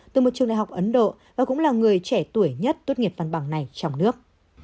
từ một trường đại học ấn độ và cũng là người trẻ tuổi nhất tốt nghiệp văn bằng này trong nước